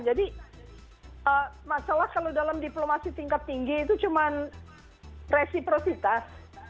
jadi masalah kalau dalam diplomasi tingkat tinggi itu cuman resiprositas